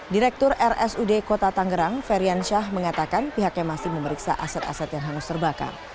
direktur rsud kota tangerang feryan syah mengatakan pihaknya masih memeriksa aset aset yang hangus terbakar